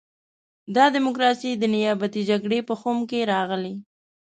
دا ډیموکراسي د نیابتي جګړې په خُم کې راغلې.